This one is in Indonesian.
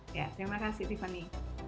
terima kasih tiffany